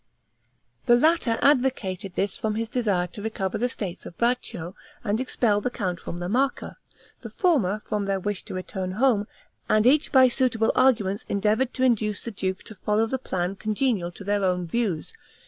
The latter advocated this from his desire to recover the states of Braccio, and expel the count from La Marca; the former, from their wish to return home, and each by suitable arguments endeavored to induce the duke to follow the plan congenial to their own views.